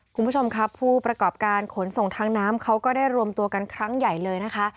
คุณผู้ชมครับผู้ประกอบการขนส่งทางน้ำเขาก็ได้รวมตัวกันครั้งใหญ่เลยนะคะ